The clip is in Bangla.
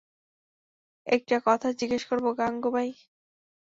একটা কথা জিজ্ঞেস করবো গাঙুবাই?